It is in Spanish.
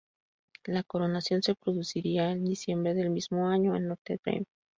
La coronación se produciría el diciembre del mismo año en Notre-Dame.